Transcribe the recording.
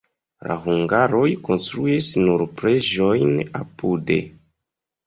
La hungaroj konstruis nur preĝejon apude.